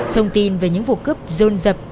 thông tin về những vụ cấp rôn rập